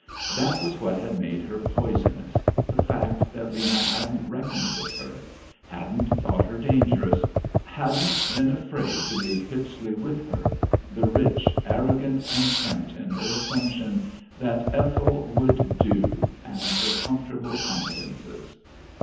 That was what had made her poisonous, the fact that Lena hadn't reckoned with her, hadn't thought her dangerous, hadn't been afraid to leave Hippisley with her, the rich, arrogant contempt in her assumption that Ethel would "do" and her comfortable confidences.